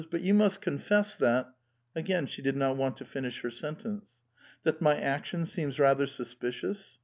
"But you must confess that —" Again she did not want to finish her sentence. ''That my action seems rather suspicious?